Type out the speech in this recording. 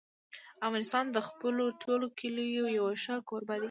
افغانستان د خپلو ټولو کلیو یو ښه کوربه دی.